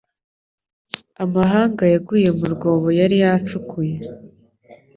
Amahanga yaguye mu rwobo yari yacukuye